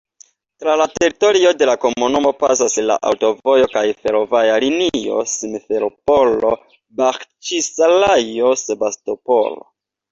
Tra la teritorio de la komunumo pasas la aŭtovojo kaj fervoja linio Simferopolo—Baĥĉisarajo—Sebastopolo.